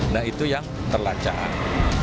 nah itu yang terlacakan